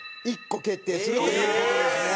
１個決定するという事ですね。